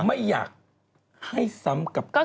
ไม่อยากให้ซ้ำกับการ